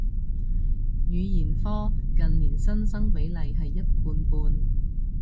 語言科近年新生比例係一半半